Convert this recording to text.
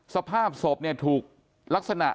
สภาพศพเนี่ยถูกลักษณะ